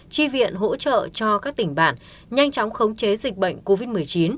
chi viện hỗ trợ cho các tỉnh bản nhanh chóng khống chế dịch bệnh covid một mươi chín